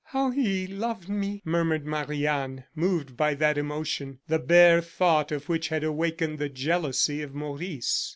"How he loved me!" murmured Marie Anne, moved by that emotion, the bare thought of which had awakened the jealousy of Maurice.